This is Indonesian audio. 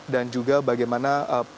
dan juga bagaimana